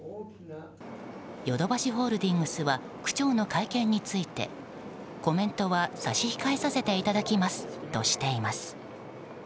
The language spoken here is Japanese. ヨドバシホールディングスは区長の会見についてコメントは差し控えさせていただきますとしています。